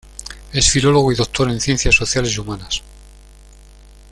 Es Filólogo y Doctor en Ciencias Sociales y Humanas.